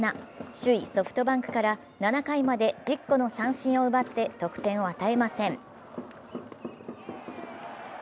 首位・ソフトバンクから７回まで１０個の三振を奪って得点を与えません。